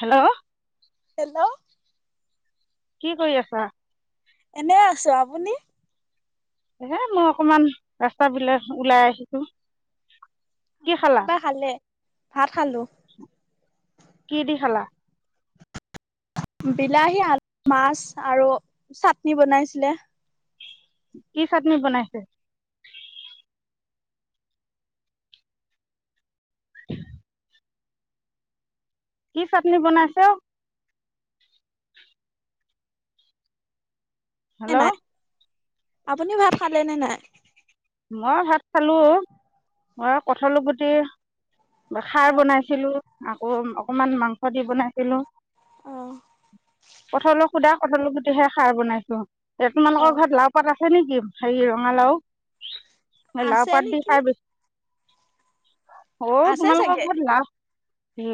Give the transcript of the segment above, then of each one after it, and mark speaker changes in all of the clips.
Speaker 1: Hello
Speaker 2: hello
Speaker 1: কি কৰি আছা?
Speaker 2: এনেই আছো, আপুনি?
Speaker 1: হে মই অকমান ৰাস্তাফিলে, ওলাই আহিছো।
Speaker 2: অঁ'
Speaker 1: কি খালা?
Speaker 2: কিবা খালে? ভাত খালো।
Speaker 1: কি দি খালা?
Speaker 2: বিলাহী আলু মাছ আৰু চাটনি বনাইছিলে।
Speaker 1: কি চাটনি বনাইছে? কি চাটনি বনাইছে ঔ।
Speaker 2: নে
Speaker 1: হেল্ল'
Speaker 2: নাই, আপুনি ভাত খালে নে নাই?
Speaker 1: মই ভাত খালোঁ, মই কঠালো গুটি।
Speaker 2: অ
Speaker 1: খাৰ বনাইছিলোঁ, আকৌ অকমান মাংস দি বনাইছিলো।
Speaker 2: অ
Speaker 1: কঠালো। সুদা কঠালো গুটিহে খাৰ বনাইছো, এ
Speaker 2: অ
Speaker 1: তোমালোকৰ ঘৰত লাও পাত আছে নিকি? হেৰি ৰঙালাও। হে লাও
Speaker 2: আছে
Speaker 1: পাত দি
Speaker 2: নেকি
Speaker 1: খাই বেছ। ঔ
Speaker 2: আছে
Speaker 1: তোমালোকৰ
Speaker 2: চাগে
Speaker 1: ঘৰত লাও।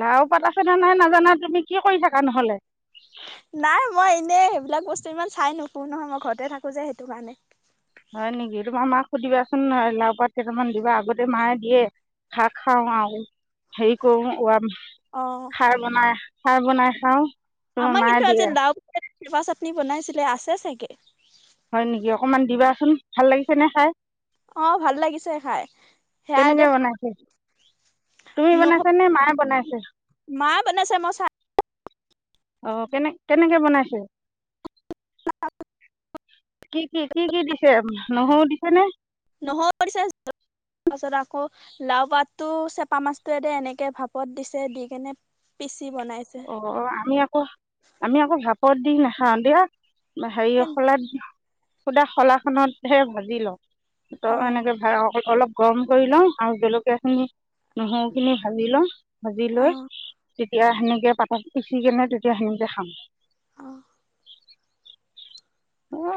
Speaker 1: লাও পাত আছেনে নাই নাজানা তুমি কি কৰি থাকা নহ'লে।
Speaker 2: নাই মই এনেই সেইবিলাক বস্তু ইমান চাই নোফোৰো নহয় মই ঘৰতে থাকো যে সেইটো কাৰণে।
Speaker 1: হয় নিকি তোমাৰ মাক সুধিবাচোন নহয় লাও পাত কেইটামান দিবা আগতে মায়ে দিয়ে। শাক খাওঁ আওঁ। হেৰি কৰো ওয়াম,
Speaker 2: অ
Speaker 1: খাৰ বনাই- খাৰ বনাই খাও।
Speaker 2: আমাৰ কিন্তু আজি লাওপাত কিবা চাটনি বনাইছিলে আছে চাগে।
Speaker 1: হয় নেকি অকমান দিবাচোন ভাল লাগিছে নে খাই।
Speaker 2: অ ভাল লাগিছে খাই সেয়াই
Speaker 1: কেনেকৈ
Speaker 2: দেখ।
Speaker 1: বনাইছে তুমি বনাইছা নে মায়ে বনাইছে।
Speaker 2: মা বনাইছে মই চাই।
Speaker 1: অ কেনে কেনেকে বনাইছে। কি কি কি কি দিছে নহৰু দিছে নে?
Speaker 2: নহৰু দিছে জল। তাৰ পাছত আকৌ লাও পাতটো চেপা মাছটোৱে দে এনেকে ভাপত দিছে দি কেনে। পিচি বনাইছে।
Speaker 1: অ আমি আকৌ আমি আকৌ ভাপত দি নাখাওঁ দিয়া। হেৰি
Speaker 2: কেন
Speaker 1: শলাত শূদা শলা খনতহে ভাজি লওঁ। ত
Speaker 2: অ
Speaker 1: এনেকে ভাই অক অলপ। গৰম কৰি লওঁ আৰু জলকীয়াখিনি নহৰুখিনি ভাজি লওঁ ভাজি
Speaker 2: অ
Speaker 1: লৈ। তেতিয়া সেনেকে পাতত পিচি কেনে তেতিয়া সেনেতে খাম।
Speaker 2: অঁ।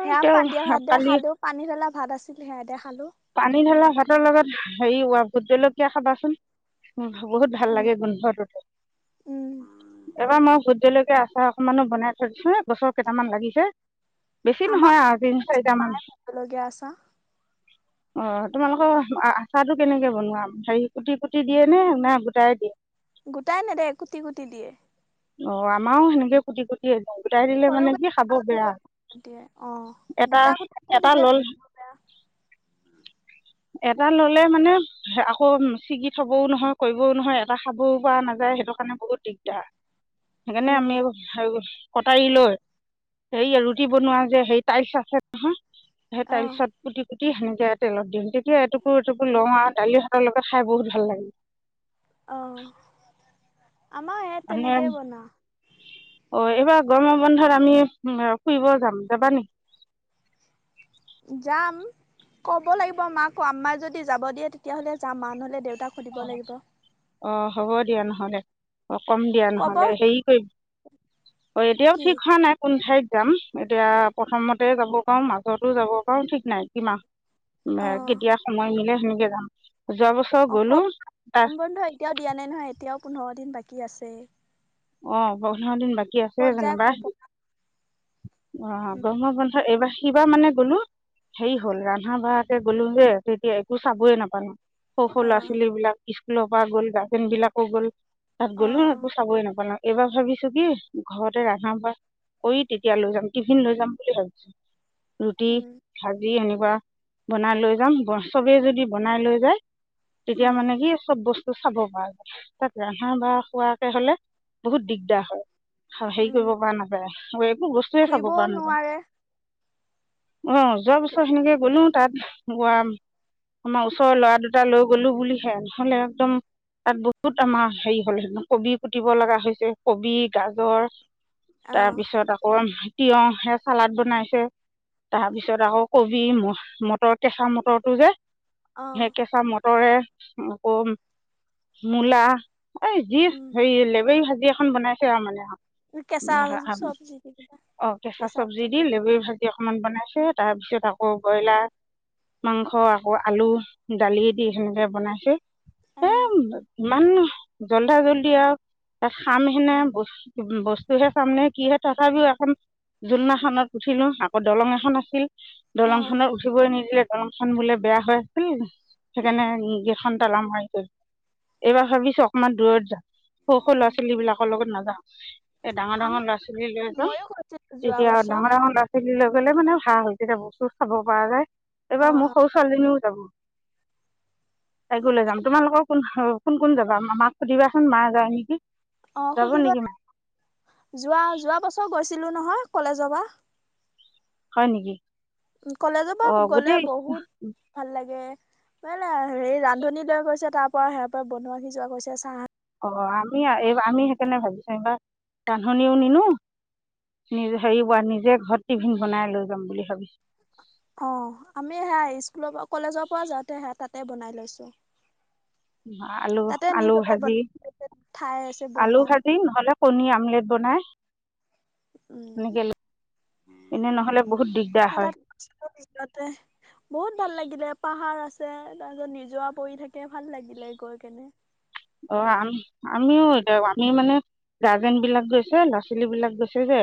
Speaker 2: সেয়া
Speaker 1: তেওঁ
Speaker 2: পানিদিয়া ভাত দে
Speaker 1: কালি
Speaker 2: খালো পানী তলা ভাত আছিল সেয়া দে খালোঁ।
Speaker 1: পানী ঢালা ভাতৰ লগত হেৰি হোৱা ভূত জলকীয়া খাবাচোন। বহুত ভাল
Speaker 2: উম
Speaker 1: লাগে গোন্ধটোত।
Speaker 2: উম
Speaker 1: এইবাৰ মই ভূত জলকীয়াৰ আচাৰ অকমানো বনাই থৈ দিছো গছৰ কেইটামান লাগিছে। বেছি নহয় আৰু তিন চাৰিটা মান।
Speaker 2: জলকীয়াৰ আচাৰ।
Speaker 1: অ তোমালোকৰ আচাৰটো কেনেকে বনোৱা হেৰি কুটি কুটি দিয়ে নে না গোটাই দিয়ে।
Speaker 2: গোটাই নেদে কুটি কুটি দিয়ে।
Speaker 1: অ আমাৰো সেনেকে। কুটি কুটিয়েই দিওঁ গোটাই দিলে
Speaker 2: সৰু
Speaker 1: মানে কি খাব বেয়া
Speaker 2: দিয়ে
Speaker 1: এটা এটা লল।
Speaker 2: খাব বেয়া।
Speaker 1: এটা ললে মানে। আকৌ ছিগি থবও নহয় কৰিবও নহয় এটা খাবও পৰা নাযায় সেইটো কাৰণে বহুত দিগদাৰ। সেইকাৰণে
Speaker 2: উম
Speaker 1: আমি কটাৰী লৈ হেৰী ৰুটি বনোৱা যে সেই। টাইলচ আছে নহয় সেই
Speaker 2: অ
Speaker 1: টাইলচত কুটি কুটি কুটি সেনেকে তেলত দিওঁ তেতিয়া এটুকুৰ এটুকুৰ লও আৰু দালি ভাতৰ লগত খাই বহুত ভাল লাগে
Speaker 2: অঁ আমাৰ হে তেনেকে বনাও
Speaker 1: অ এইবাৰ গৰম বন্ধত আমি ফুৰিব যাম যাবা নেকি
Speaker 2: যাম ক'ব লাগিব মাকো আমামাই যদি যাব দিয়ে তেতিয়াহ'লে যাম মা নহ'লে দেউতাক সুধিব লাগিব
Speaker 1: অ হ'ব দিয়া নহ'লে অ কম দিয়া
Speaker 2: ক'ব
Speaker 1: নহ'লে হেৰি কৰিম অ এতিয়াওঁ
Speaker 2: কি
Speaker 1: ঠিক হোৱা নাই কোন ঠাইত যাম এতিয়া প্ৰথমতে যাব পাৰোঁ মাজতো যাব পাৰো ঠিক নাই কিমাহ।
Speaker 2: অ
Speaker 1: কেতিয়া সময় মিলে সেনেকে যাম যোৱা বছৰ
Speaker 2: অ
Speaker 1: গ'লোঁ
Speaker 2: কক
Speaker 1: তাত
Speaker 2: গৰম বন্ধ এতিয়াও দিয়া নাই নহয় এতিয়াও পোন্ধৰ দিন বাকী আছেয়ে
Speaker 1: অ পোন্ধৰ দিন বাকী আছেই
Speaker 2: ক'ত যায়
Speaker 1: যেনিবা
Speaker 2: কব
Speaker 1: অ
Speaker 2: উম
Speaker 1: গৰমৰ বন্ধত এইবাৰ হে কিবা মানে গ'লো হেৰি হ'ল ৰন্ধা বঢ়াকে গ'লো যে তেতিয়া একো চাবয়ে নাপালোঁ সৰু সৰু
Speaker 2: অ
Speaker 1: ল'ৰা ছোৱালী বিলাক স্কুলৰ পৰা গ'ল গাৰ্জেন বিলাকো গ'ল তাত
Speaker 2: অ
Speaker 1: গ'লো
Speaker 2: অ
Speaker 1: একো চাবই নাপালোঁ এইবাৰ ভাবিছোঁ কি ঘৰতে ৰান্ধা বাঢ়া তেতিয়া লৈ যাম টিফিন লৈ যাম বুলি ভাবিছোঁ ৰুটি
Speaker 2: উম
Speaker 1: ভাজি এনেকুৱা বনাই লৈ যাম চবেই যদি বনাই লৈ যায় তেতিয়া
Speaker 2: উম
Speaker 1: মানে কি চব বস্তু চাব পাৰা যায় তাত ৰান্ধা বাঢ়া খোৱাকে হ'লে বহুত দিগদাৰ হয় আৰু হেৰী
Speaker 2: উম
Speaker 1: কৰিব পৰা নাযায় একো বস্তুৱে চাব
Speaker 2: ঘুৰিবও নোৱাৰে
Speaker 1: অ যোৱা বছৰ সেনেকে গ'লো তাত গোৱাম আমাৰ ওচৰৰ ল'ৰা দুটা লৈ গ'লো বুলিহে নহ'লে একদম। তাত বহুত আমাৰ হেৰি হ'লে কবি কুতিব লগা হৈছে। কবি গাজৰ
Speaker 2: অ
Speaker 1: তাৰপিছত আকৌ তিয়হে চালাদ বনাইছে। তাৰপিছত আকৌ কবি মটৰ কেঁচা মটৰটো যে।
Speaker 2: অ
Speaker 1: সেই কেঁচা মটৰে আকৌ মূলা এই যি
Speaker 2: উম
Speaker 1: হেৰি লেবেৰি ভাজি এখন বনাইছে আৰু মানে আহ।
Speaker 2: কেচা চবজি
Speaker 1: অ কেঁচা চব্জি দি লেবেৰি ভাজি অকনমান বনাইছে তাৰপিছত আকৌ ব্ৰইলাৰ। মাংস আকৌ আলু দালি দি সেনেকে বনাইছে
Speaker 2: অ
Speaker 1: এ। ইমান জল্দা জল্দি আৰু তাত খাম সেনে বস্তু হে চামনে কিহে। তথাপিওঁ এখন জোলনা এখনত ন উঠিলো আকৌ দলং এখন আছিল
Speaker 2: অ
Speaker 1: দলং খনত উঠিবই নিদিলে। দলংখন বোলে বেয়া হৈ আছিল। সেইকাৰণে গেতখন তালা মাৰি গৈছিল। এইবাৰ ভাবিছোঁ অকমান দূৰত যাম। সৰু- সৰু ল'ৰা ছোৱালী বিলাকৰ লগত নাযাওঁ। এই ডাঙৰ
Speaker 2: আম
Speaker 1: -ডাঙৰ ল'ৰা ছোৱালী লৈ যাম
Speaker 2: মইয়ো গৈছিলো যোৱা
Speaker 1: তেতিয়া
Speaker 2: বছৰ
Speaker 1: ডাঙৰ -ডাঙৰ লৰা ছোৱালী। লৈ গ'লে মানে ভাল। তেতিয়া বস্তু চাব পৰা যায়
Speaker 2: অ
Speaker 1: এইবাৰ মোৰ
Speaker 2: অ
Speaker 1: সৰু ছোৱালীজনীও যাব। তাইকো লৈ যাম তোমালোকৰ কোন কোন যাবা। মাক সুধিবাচোন মা যায় নেকি।
Speaker 2: অ
Speaker 1: যাব
Speaker 2: সুধিব
Speaker 1: নেকি মা
Speaker 2: লাগিব। যোৱা যোৱা বছৰ গৈছিলোঁ নহয় কলেজৰ পৰা।
Speaker 1: হয় নেকি।
Speaker 2: কলেজৰ পৰা
Speaker 1: অঁ
Speaker 2: গ'লে
Speaker 1: গোটেই
Speaker 2: বহুত। ভাল লাগে। ৰান্ধনী লৈ গৈছে তাৰ পৰা সিহঁত বনোৱা সিজোৱা কৰিছে চাহ।
Speaker 1: অ আমি এই আমি সেইকাৰণে ভাবিছোঁ এইবাৰ ৰান্ধনীও নিনো। নিজে হেৰি বা নিজে ঘৰত টিফিন বনাই লৈ যাম বুলি ভাবিছোঁ।
Speaker 2: অ আমি সেয়া স্কুলৰ পৰা কলেজৰ পৰা যাওঁতে সে তাতে বনাই লৈছোঁ।
Speaker 1: আ আলু,
Speaker 2: তাতে নি
Speaker 1: আলু
Speaker 2: পেলাই
Speaker 1: ভাজি
Speaker 2: বনাই ঠাই আছে
Speaker 1: আলু
Speaker 2: বনোৱা
Speaker 1: ভাজি নহ'লে কণী আমলেট বনাই।
Speaker 2: উম,
Speaker 1: এনেকৈ এনে নহ'লে বহুত দিগদাৰ
Speaker 2: সে
Speaker 1: হয়
Speaker 2: তাত [unintelligible] টে বহুত ভাল লাগিলে।, পাহাৰ আছে তাৰছত নিজৰা পৰি থাকে, ভাল লাগিলে গৈ কেনে।
Speaker 1: অ' আম আমিও তে আমিও মানে। গাৰ্জেন বিলাক গৈছে, ল'ৰা ছোৱালী বিলাক গৈছে যে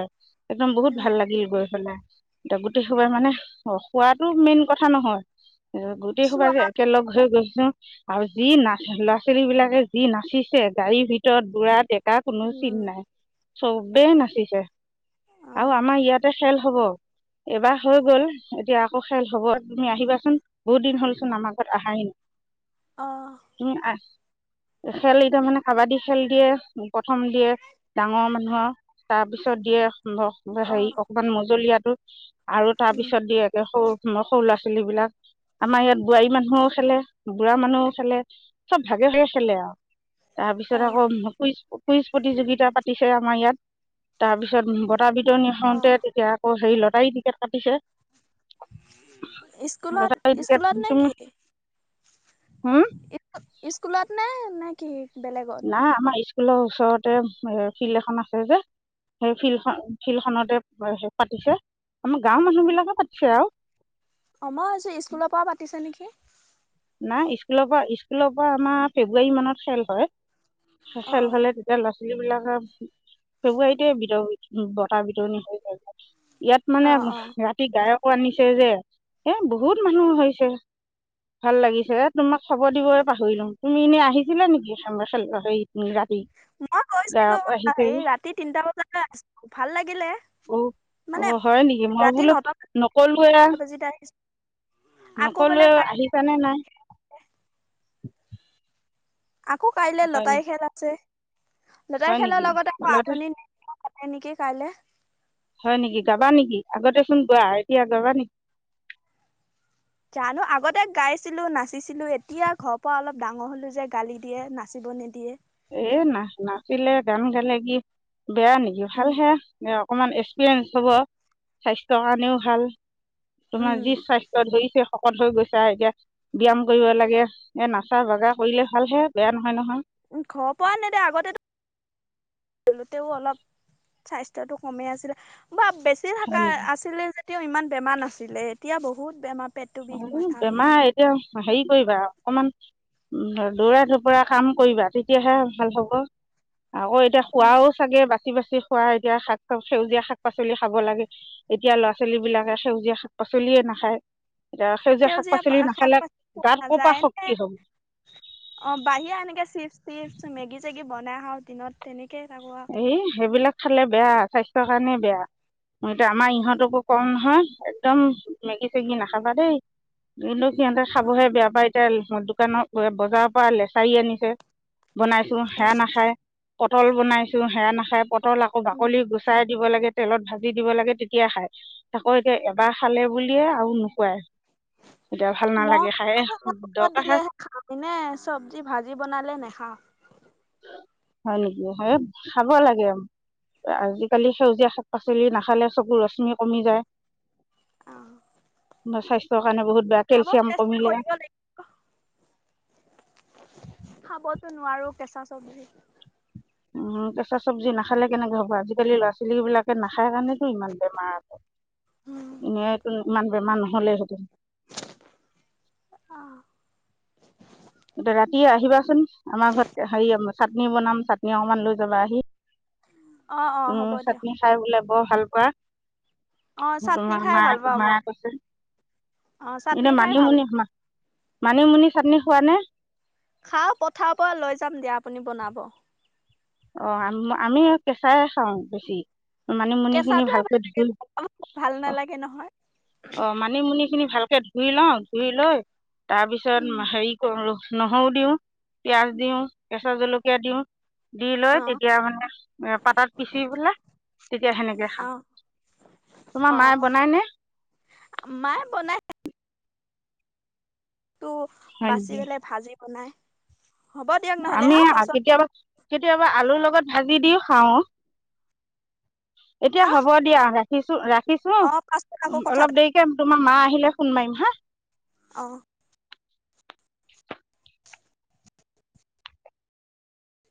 Speaker 1: একদম বহুত
Speaker 2: উম
Speaker 1: ভাল লাগিল গৈ পেলাই। এতিয়া গোটেই সোপাই মানে খ খোৱাটো মেইন কথা নহয়। এ গোটেই সোপা
Speaker 2: চোৱা
Speaker 1: যে একেলগ হৈ গৈছো আও যি নাচ ল'ৰা- ছোৱালী বিলাকে যি নাচিছে গাড়ীৰ ভিতৰত বুঢ়া- ডেকা কোনো চিন
Speaker 2: উম
Speaker 1: নাই, চবেই নাচিছে। আও
Speaker 2: অঁ
Speaker 1: আমাৰ ইয়াতে খেল হ'ব। এবাৰ হৈ গ'ল এতিয়া আকৌ খেল হ'ব। তুমি আহিবাচোন, বহুত দিন হ'লচোন আমাৰ ঘৱত আহাই নাই।
Speaker 2: অহ,
Speaker 1: তুমি আহ খেল এইটো মানে কাবাডী খেল দিয়ে, প্ৰথম দিয়ে। ডাঙৰ মানুহৰ তাৰপিছত দিয়ে সম [unintelligible]
Speaker 2: অঁ
Speaker 1: হেৰি অকমান মজলীয়াটো আৰু তাৰ
Speaker 2: উম
Speaker 1: পিছত দিয়ে একে সৰু- সৰু ল'ৰা ছোৱালী বিলাক। আমাৰ ইয়াত বোৱাৰী মানুহও খেলে, বুঢ়া মানুহও খেলে, চব ভাগে ভাগে খেলে আও তাৰ পিছত
Speaker 2: অঁ
Speaker 1: আকৌ কুইজ কুইজ প্ৰতিযোগিতা পাতিছে আমাৰ ইয়াত তাৰপিছত বত টা বিতৰণি হওঁতে
Speaker 2: অঁ
Speaker 1: তেতিয়া আকৌ হেই লটাৰী টিকেট কাটিছে।
Speaker 2: ওম, স্কুলত
Speaker 1: লটাৰী টিকেট
Speaker 2: স্কুলত
Speaker 1: তুমি
Speaker 2: নেকি?
Speaker 1: হম
Speaker 2: স্কুলত নে নে কি বেলেগত?
Speaker 1: নাই, আমাৰ স্কুলৰ ওচৰতে এ ফিল্ড এখন আছে যে সেই ফিল্ড খন ফিল্ড খনতে হে পাতিছে আমাৰ গাঁওৰ মানুহ বিলাকে পাতিছে আও।
Speaker 2: অ মই ভাবিছো স্কুলৰ পৰা পাতিছে নেকি?
Speaker 1: নাই স্কুলৰ পা স্কুলৰ পৰা আমাৰ ফেব্ৰুৱাৰী মানত খেল হয়। সেখন
Speaker 2: অ',
Speaker 1: হ'লে তেতিয়া লৱা ছলি বিলাকে ফেব্ৰুৱাৰীতেই বিতৰ বটাঁ বিতৰণি হৈ গল [unintelligible] ইয়াত মানে
Speaker 2: অ', অ',
Speaker 1: ৰাতি গায়কো আনিছে যে, এ বহুত মানুহ হৈছে। ভাল লাগিছে তোমাক খবৰ দিবই পাহৰিলোঙ তুমি এনেই আহিছিলা নেকি সাঙবা খেল সেই ৰাতি?
Speaker 2: মই গৈছিলো,
Speaker 1: গায়ক আহিছে
Speaker 2: সেই
Speaker 1: যে
Speaker 2: ৰাতি তিনটা বজালে আছিলো ভাল লাগিলে। মানে
Speaker 1: অ' হয় নেকি? মই
Speaker 2: ৰাতি
Speaker 1: বোলো
Speaker 2: নটা
Speaker 1: নকলোয়ে।
Speaker 2: বাজিতে আহিছোঁ আকৌ বোলে
Speaker 1: নকলোৱে
Speaker 2: কাইলৈ
Speaker 1: আহিছানে নাই?
Speaker 2: আকৌ কাইলছ
Speaker 1: হয় নি
Speaker 2: লটাৰি খেল আছে, লটাৰি
Speaker 1: হয়
Speaker 2: খেলৰ
Speaker 1: নেকি
Speaker 2: লগত আকৌ
Speaker 1: ল'ৰাটো
Speaker 2: আধুনিক নৃত্ হ'লেই নেকি কাইলে।
Speaker 1: হয় নেকি গাবা নিকি? আগতে চোন গোৱা, এতিয়া গাবা নি
Speaker 2: জানো! আগতে গাইছিলো, নাচিছিলো, এতিয়া ঘৰ পৰা অলপ ডাঙৰ হ'লো যে গালি দিয়ে নাচিব নিদিয়ে।
Speaker 1: এ না নাচিলে গান গালে কি বেয়া নিকি?, ভাল
Speaker 2: উম
Speaker 1: হে। দে অকমান এক্সপিৰিয়েঞ্চ হ'ব, স্বাস্থ্যৰ কাৰণেও ভাল। তোমাৰ যি
Speaker 2: উম
Speaker 1: স্বাস্ স্থ্য ধৰিছে শকত হৈ গৈছা, এতিয়া ব্যাম কৰিব লাগে, এ নাচা বাগা কৰিলে ভাল হে বেয়া নহয় নহয়।
Speaker 2: উম ঘৰ পৱা নিদে আগতেটো জলোতেও অলপ স্বাস্থ্যটো ক'মে আছিলে, বা বেছি
Speaker 1: হয়
Speaker 2: ভাকাৰ
Speaker 1: নেকি
Speaker 2: আছিলে যেতিয়া ইমান বেমাৰ নাছিলে এতিয়া বহুত বেমা
Speaker 1: এই বেমাৰ এতিয়া সেই কইবা অকমান দৌৰা ধপৰা কাম কৰিবা, তেতিয়াহে ভাল হব, আকৌ এতিয়া
Speaker 2: উম
Speaker 1: খোৱাও চাগে বাচি বাচি খোৱা, এতিয়া শাক সেউজীয়া শাক পাচলি খাব লাগে। এতিয়া ল'ৰা ছোৱালী বিলাকে সেউজীয়া শাক পাচলিয়ে নাখায়। এতিয়া শাক
Speaker 2: সেউজীয়া
Speaker 1: পাচলি
Speaker 2: শাক
Speaker 1: নাখালে
Speaker 2: পাচল
Speaker 1: গাত
Speaker 2: পা
Speaker 1: ক'ৰ পৰা
Speaker 2: যায় নে।
Speaker 1: শক্তি হ'ব
Speaker 2: অ বাহিৰা এনেকে চিপছ তিপছ মেগি চেগি বনাই খাওঁ, দিনত তেনেকে থাকো আও।
Speaker 1: সেই সেইবিলাক খালে বেয়া, স্বাস্থ্যৰ কাৰণে বেয়া, এতিয়া আমাৰ
Speaker 2: উম
Speaker 1: ইহঁতকো কম নহয়, একদম মেগি চেগি নাখাবা দেই কিন্তু সিহঁতে
Speaker 2: অ
Speaker 1: খাবহে বেয়া পায়। দোকানৰ বজাৰৰ পৰা লেচাৰী আনিছে, বনাইছো
Speaker 2: অ,
Speaker 1: সেয়া নাখায়। পটল বনাইছো সেয়া নাখায়, পটল আকৌ
Speaker 2: উম
Speaker 1: বাকলি গুচ চাই দিব লাগে, তেলত ভাজি দিব লাগে তেতিয়া খাই। আকৌ এতিয়া এবাৰ খালে বুলিয়ে আৰু নুখোৱাই। এতিয়া ভাল
Speaker 2: মই
Speaker 1: নালাগে খায়ে,
Speaker 2: মুখত
Speaker 1: দৰকাৰ
Speaker 2: দিলেহে খাওঁ এনে চব্জি ভাজি বনালে নেখাওঁ।
Speaker 1: হয় নেকি। হে খাব লাগে। আজিকালি সেউজীয়া শাক- পাচলি নাখালে চকু ৰশ্মি কমি যায়।
Speaker 2: অ।
Speaker 1: স্বাস্থ্য কাৰণে বহুত বেয়া,
Speaker 2: খাব
Speaker 1: কেলচিয়াম
Speaker 2: চেষ্টা
Speaker 1: কমিলে।
Speaker 2: কৰিব লাগিব খাবতো নোৱাৰো কেঁচা চব্জি।
Speaker 1: উম' কেঁচা চবজি নাখালে কেনেকে হ'ব, আজিকালি ল'ৰা ছোৱালী বিলাক নাখায় কাৰণেতো ইমান বেমাৰ আছে,
Speaker 2: উম,
Speaker 1: এনেই ইমান বেমাৰ নহলে হেঁতেন।
Speaker 2: অ।
Speaker 1: ৰাতি আহিবাচোন আমাৰ ঘৰত, হেৰি চাটনি বনাম চাটনি অকমান লৈ যাবাহি।
Speaker 2: অ অ হ'ব
Speaker 1: উম'
Speaker 2: দিয়ক
Speaker 1: চাটনি খাই বোলে বৰ ভাল পোৱা?
Speaker 2: অ চাটনি
Speaker 1: তোমাৰ
Speaker 2: খাই ভাল
Speaker 1: মাই
Speaker 2: পাওঁ মই
Speaker 1: মাই কৈছে,
Speaker 2: অ চাটনি
Speaker 1: এনে
Speaker 2: খাই ভাল
Speaker 1: মানিমুনি
Speaker 2: পাওঁ।
Speaker 1: মানিমুনি চাটনি খোৱা নে।
Speaker 2: খাওঁ পথাৰৰ পৰা লৈ যাম দিয়া, আপুনি বনাব।
Speaker 1: অ আম আমি কেঁচাই খাওঁ বেছি। মানিমুনিখিনি
Speaker 2: কেঁচাটোৱে ভাল
Speaker 1: ভালকে
Speaker 2: লাগে
Speaker 1: ধুই
Speaker 2: পকাবোৰ ভাল
Speaker 1: অ
Speaker 2: নালাগে নহয়
Speaker 1: অ। মানিমুনি খিনি ভালকে ধুই লওঁ, ধুই লৈ তাৰ পিছত হেৰি কৰো নহৰু দিওঁ, পিয়াজ দিওঁ, কেঁচা জলকীয়া দিওঁ। দি লৈ
Speaker 2: অ
Speaker 1: তেতিয়া মানে পাতাত পিচি পেলাই, তেতিয়া সেনেকে
Speaker 2: অ
Speaker 1: খাওঁ। তোমাৰ
Speaker 2: অ
Speaker 1: মায়ে বনাই নে?
Speaker 2: মায়ে বনাই। টো
Speaker 1: হয়
Speaker 2: বাচি
Speaker 1: নেকি
Speaker 2: গলে ভাজি বনাই। হ'ব দিয়ক নহ'লে
Speaker 1: আমি
Speaker 2: হা পাছত
Speaker 1: কেতিয়াবা কেতিয়াবা আলুৰ লগত ভাজি দিও খাওঁ। এতিয়া
Speaker 2: হা
Speaker 1: হ'ব দিয়া, ৰাখিছো, ৰাখিছো
Speaker 2: অ পাছত আকৌ কথা
Speaker 1: অলপ
Speaker 2: পাতিম
Speaker 1: দেৰি তোমাৰ মা আহিলে ফোন মাৰিম হা?
Speaker 2: অঁ।